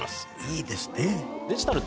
いいですね！